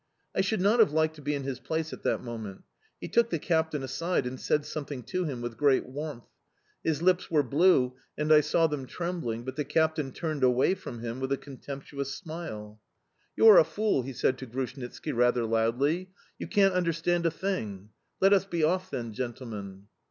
I should not have liked to be in his place at that moment. He took the captain aside and said something to him with great warmth. His lips were blue, and I saw them trembling; but the captain turned away from him with a contemptuous smile. "You are a fool," he said to Grushnitski rather loudly. "You can't understand a thing!... Let us be off, then, gentlemen!"